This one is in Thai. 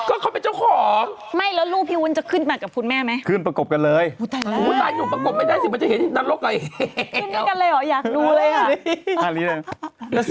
โอ๊ยจังนั้นก็ตัดมันกันหมดน่ะแหละ